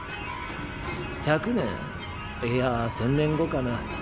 １００年いや１０００年後かな。